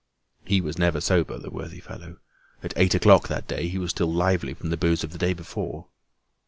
He was never sober, the worthy fellow. At eight o'clock that day, he was still lively from the booze of the day before.